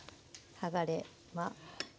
剥がれま。